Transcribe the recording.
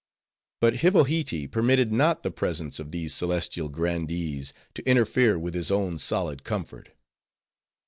But Hivohitee permitted not the presence of these celestial grandees, to interfere with his own solid comfort.